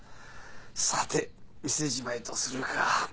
さて店じまいとするか。